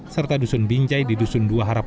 serta dusun binjai di dusun kepulauan anambas